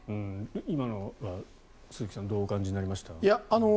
今のは鈴木さんどうお感じになりました？